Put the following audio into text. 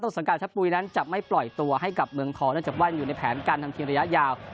สังกัดชะปุยนั้นจะไม่ปล่อยตัวให้กับเมืองทองเนื่องจากว่าอยู่ในแผนการทำทีมระยะยาว